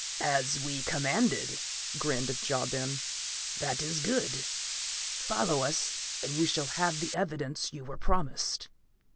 "As we commanded," grinned Ja Ben. "That is good. Follow us and you shall have the evidence you were promised."